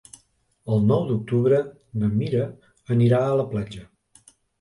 El nou d'octubre na Mira anirà a la platja.